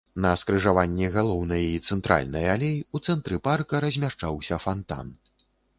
На скрыжаванні галоўнай і цэнтральнай алей, у цэнтры парка размяшчаўся фантан.